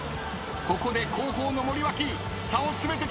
ここで後方の森脇差を詰めてきた。